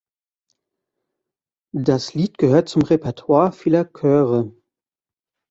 Das Lied gehört zum Repertoire vieler Chöre.